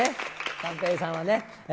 三平さんはね。